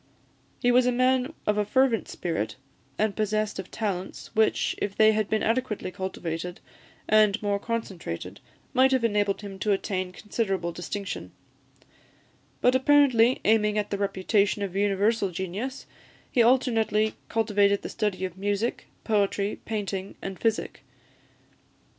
He was a man of a fervent spirit, and possessed of talents, which, if they had been adequately cultivated, and more concentrated, might have enabled him to attain considerable distinction; but, apparently aiming at the reputation of universal genius, he alternately cultivated the study of music, poetry, painting, and physic.